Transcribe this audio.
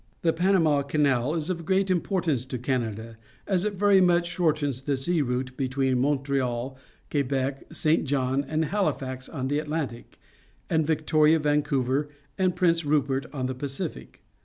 The Panama Canal is of great importance to Canada, as it very much shortens the sea route between Montreal, Quebec, Saint John, and Halifax on the Atlantic, and Mctoria, Vancouver, and Prince Rupert on the Pacific.